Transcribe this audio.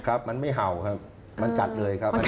ครับมันไม่เห่าครับมันจัดเลยครับ